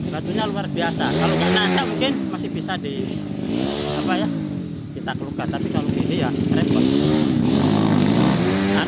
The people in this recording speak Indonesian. batunya luar biasa kalau tidak aja mungkin masih bisa kita keluka tapi kalau begini ya keren banget